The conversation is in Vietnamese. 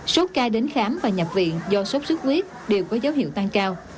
số ca đến khám và nhập viện do sốt xuất huyết đều có dấu hiệu tăng cao